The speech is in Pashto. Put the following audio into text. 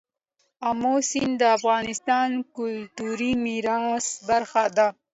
آمو سیند د افغانستان د کلتوري میراث برخه ده.